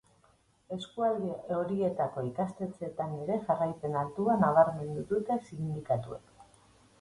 Eskualde horietako ikastetxeetan ere jarraipen altua nabarmendu dute sindikatuek.